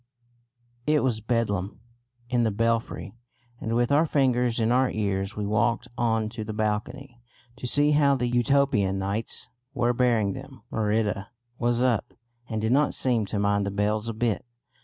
It was bedlam in the belfry, and with our fingers in our ears we walked on to the balcony to see how the Utopianites were bearing them. Merida was up, and did not seem to mind the bells a bit.